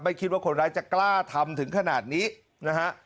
คิดว่าคนร้ายจะกล้าทำถึงขนาดนี้นะฮะ